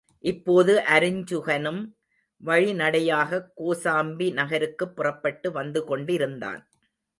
இப்போது அருஞ்சுகனும் வழிநடையாகக் கோசாம்பி நகருக்குப் புறப்பட்டு வந்து கொண்டிருந்தான்.